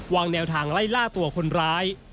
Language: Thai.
วางแนวทางไล่ล่าตัวคนร้าย